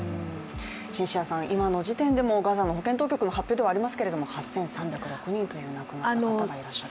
シンシアさん、今の時点でも、ガザの保健当局の発表でもありますけど８３０６人、亡くなった方がいらっしゃる。